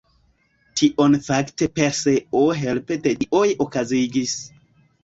Tion fakte Perseo helpe de dioj okazigis.